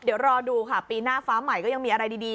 เดี๋ยวรอดูค่ะปีหน้าฟ้าใหม่ก็ยังมีอะไรดี